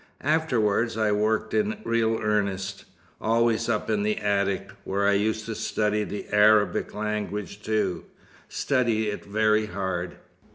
Afterwards I worked in real earnest always up in the attic, where I used to study the Arabic language too; study it very hard.